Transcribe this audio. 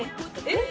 えっ？